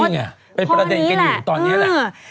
นี่ไงเป็นประเด็นกันอยู่ตอนนี้แหละ